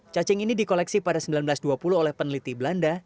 cacing ini di koleksi pada seribu sembilan ratus dua puluh oleh peneliti belanda